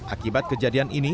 akibat kejadian ini